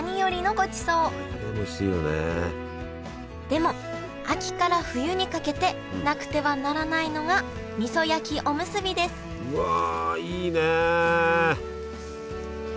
でも秋から冬にかけてなくてはならないのがみそ焼きおむすびですうわいいね！